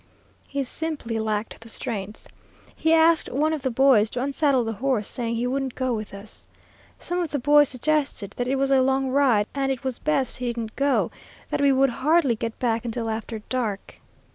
He simply lacked the strength. He asked one of the boys to unsaddle the horse, saying he wouldn't go with us. Some of the boys suggested that it was a long ride, and it was best he didn't go, that we would hardly get back until after dark.